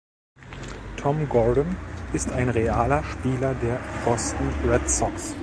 Tom Gordon ist ein realer Spieler der Boston Red Sox.